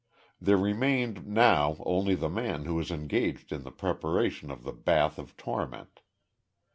There remained now only the man who was engaged in the preparation of the bath of torment.